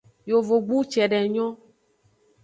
Yovogbu cede nyon.